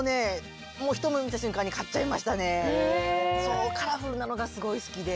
これもねカラフルなのがすごい好きで。